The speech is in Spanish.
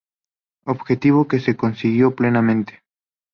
Objetivo que se consiguió plenamente.